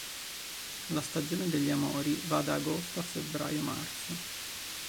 La stagione degli amori va da agosto a febbraio-marzo.